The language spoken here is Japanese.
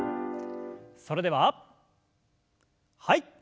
それでははい。